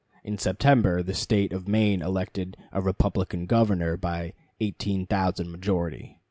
In September the State of Maine elected a Republican governor by 18,000 majority.